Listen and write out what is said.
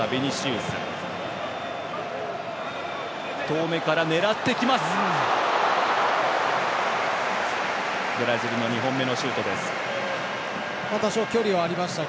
遠めから狙ってきました。